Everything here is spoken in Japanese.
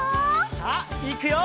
さあいくよ！